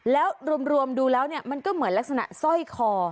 แล้วรวมดูแล้วเนี่ยมันก็เหมือนลักษณะสร้อยคอ